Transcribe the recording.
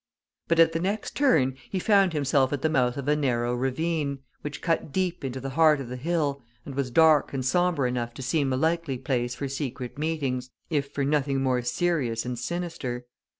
But at the next turn he found himself at the mouth of a narrow ravine, which cut deep into the heart of the hill, and was dark and sombre enough to seem a likely place for secret meetings, if for nothing more serious and sinister.